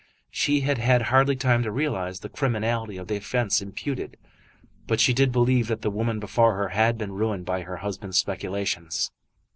She had had hardly time to realise the criminality of the offence imputed. But she did believe that the woman before her had been ruined by her husband's speculations.